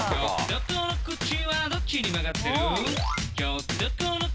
「ひょっとこ口はどっちに曲がってる？」